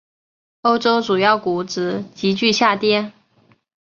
欧洲主要股指急剧下跌。